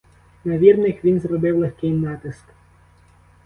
На вірних він зробив легкий натиск.